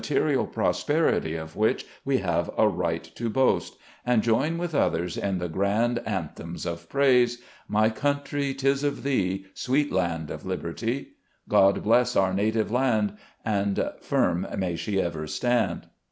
rial prosperity of which we have a right to boast ; and join with others in the grand anthems of praise : "My country, 'tis of thee, Sweet land of liberty," " God bless our native land," and, " Firm may she ever stand."